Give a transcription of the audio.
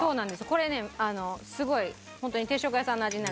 これねすごいホントに定食屋さんの味になる。